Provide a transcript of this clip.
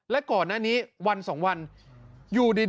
และก่อนอันนี้วันสองวันอยู่ดีนะ